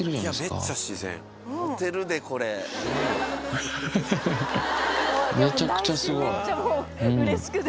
アハハハめちゃくちゃすごい。